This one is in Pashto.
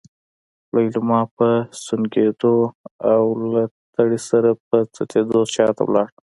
ليلما په سونګېدو او له تړې سره په څخېدو شاته لاړه.